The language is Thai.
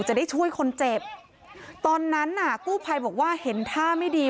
จะได้ช่วยคนเจ็บตอนนั้นน่ะกู้ภัยบอกว่าเห็นท่าไม่ดี